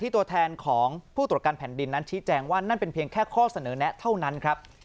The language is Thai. ตัวแทนของผู้ตรวจการแผ่นดินนั้นชี้แจงว่านั่นเป็นเพียงแค่ข้อเสนอแนะเท่านั้นครับ